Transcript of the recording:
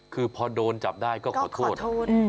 คือพอโดนจับได้ก็ขอโทษ